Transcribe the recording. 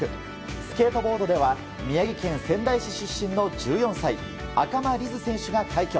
スケートボードでは宮城県仙台市出身の１４歳赤間凛音選手が快挙。